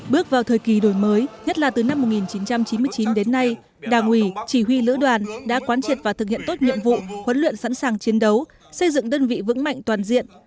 bước vào thời kỳ đổi mới nhất là từ năm một nghìn chín trăm chín mươi chín đến nay đảng ủy chỉ huy lữ đoàn đã quán triệt và thực hiện tốt nhiệm vụ huấn luyện sẵn sàng chiến đấu xây dựng đơn vị vững mạnh toàn diện